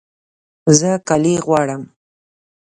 زه کالي غواړم